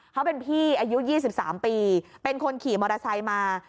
เขาเป็นพี่อายุ๒๓ปีเป็นคนขี่มอเตอร์ไซค์มา